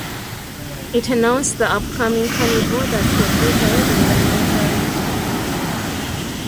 It announced the upcoming carnival that would be held in the neighboring town.